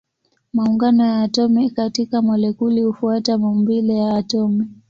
Maungano ya atomi katika molekuli hufuata maumbile ya atomi.